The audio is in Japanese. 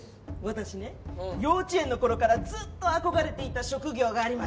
私ね幼稚園の頃からずっと憧れていた職業がありまして。